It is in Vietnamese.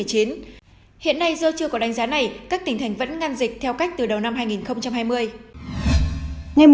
hiện nay do chưa có đánh giá này các tỉnh thành vẫn ngăn dịch theo cách từ đầu năm hai nghìn hai mươi